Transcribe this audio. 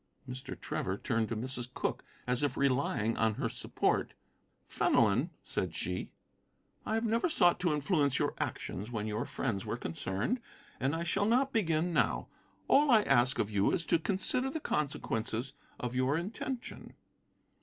Mr. Trevor turned to Mrs. Cooke, as if relying on her support. "Fenelon," said she, "I have never sought to influence your actions when your friends were concerned, and I shall not begin now. All I ask of you is to consider the consequences of your intention."